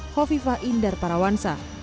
khofifah indar parawansa